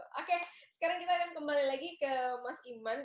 oke sekarang kita akan kembali lagi ke mas iman